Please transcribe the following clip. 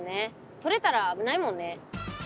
取れたらあぶないもんね。